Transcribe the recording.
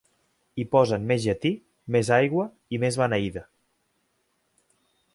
Hi posen més llatí, més aigua, i més beneïda.